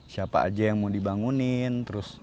siapa saja yang mau dibangunin